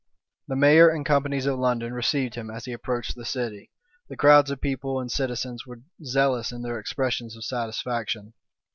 The mayor and companies of London received him as he approached the city; the crowds of people and citizens were zealous in their expressions of satisfaction.